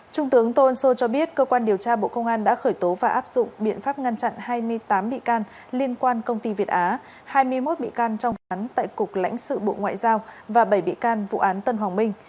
trung tướng tô ân sô cho biết cơ quan điều tra bộ công an đã khởi tố và áp dụng biện pháp ngăn chặn hai mươi tám bị can liên quan công ty việt á hai mươi một bị can trong vụ án tại cục lãnh sự bộ ngoại giao và bảy bị can vụ án tân hoàng minh